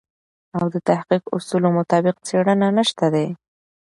او د تحقیق اصولو مطابق څېړنه نشته دی.